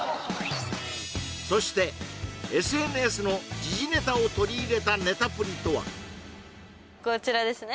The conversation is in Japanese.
そしてＳＮＳの時事ネタを取り入れたネタプリとはこちらですね